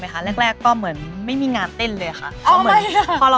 ไม่แซลเด็กกระมูลให้เสมอค่ะอ๋อค่ะ